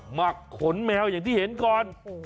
หมักขนแมวอย่างที่เห็นก่อน